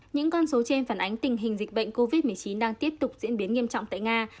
những con số trên phản ánh tình hình dịch bệnh covid một mươi chín đang tiếp tục diễn biến nghiêm trọng tại nga